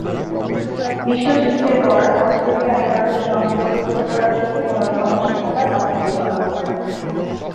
বিশ্বযুদ্ধের পর অস্ট্রেলিয়া একাদশে অন্তর্ভুক্ত করার জন্যে কোন সমস্যা থাকার কথা ছিল না।